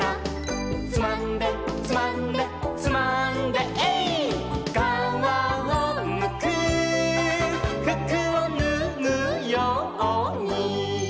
「つまんでつまんでつまんでえいっ」「かわをむくふくをぬぐように」